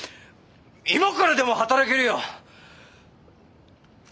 今からでも働けるよ！